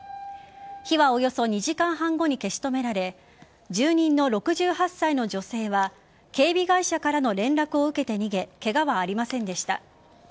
火はおよそ２時間半後に消し止められ住人の６８歳の女性は警備会社からの連絡を受けて逃げケガはありませんでした。